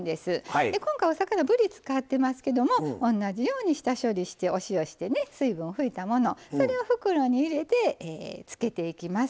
今回お魚ぶり使ってますけども同じように下処理してお塩してね水分を拭いたものそれを袋に入れて漬けていきます。